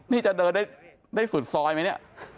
นี่จะเดินได้สุดซอยไหมเนี่ย